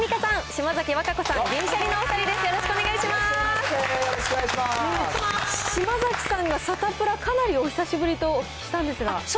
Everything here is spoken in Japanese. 島崎さんがサタプラ、かなりお久しぶりとお聞きしたんですが。